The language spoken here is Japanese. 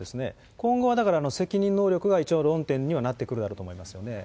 今後はだから責任能力が一応論点にはなってくるだろうと思います